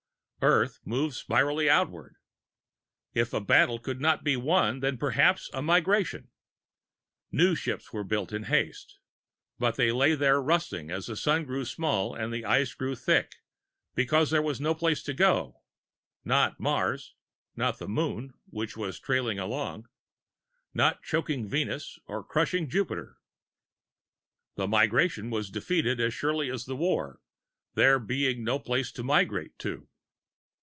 Earth moved spirally outward. If a battle could not be won, then perhaps a migration. New ships were built in haste. But they lay there rusting as the sun grew small and the ice grew thick, because where was there to go? Not Mars. Not the Moon, which was trailing alone. Not choking Venus or crushing Jupiter. The migration was defeated as surely as the war, there being no place to migrate to.